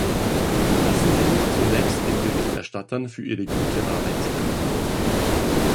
Lassen Sie mich zunächst den Berichterstattern für ihre gute Arbeit danken.